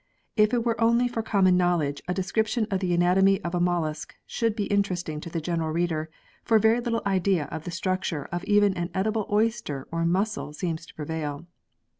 If it were only for common knowledge, a description of the anatomy of a mollusc should be interesting to the general reader, for very little idea of the structure of even an edible oyster or mussel seems to prevail.